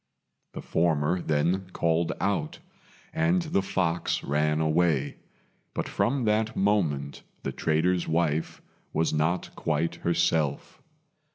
The former then called out, and the fox ran away; but from that moment the trader's wife was not quite herself.